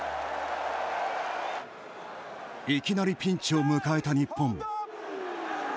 いきなり、ピンチを迎えた日本。